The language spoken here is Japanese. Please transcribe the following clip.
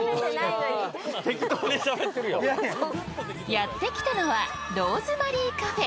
やってきたのはローズマリーＣＡＦＥ。